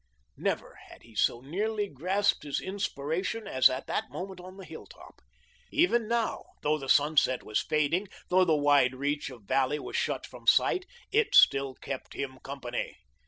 Never had he so nearly grasped his inspiration as at that moment on the hilltop. Even now, though the sunset was fading, though the wide reach of valley was shut from sight, it still kept him company.